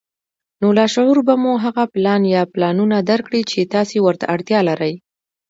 نو لاشعور به مو هغه پلان يا پلانونه درکړي چې تاسې ورته اړتيا لرئ.